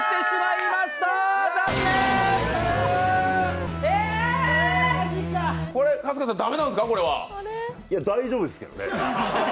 いや、大丈夫ですけどね。